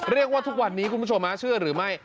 ทุกวันนี้คุณผู้ชมเชื่อหรือไม่